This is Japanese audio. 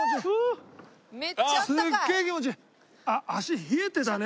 あっ足冷えてたね